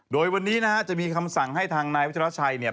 โดยวันนี้นะครับจะมีคำสั่งให้ทางนายวจรชัย